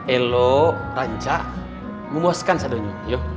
elok rancak memuaskan sadanya